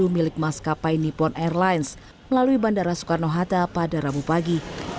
milik maskapai nippon airlines melalui bandara soekarno hatta pada rabu pagi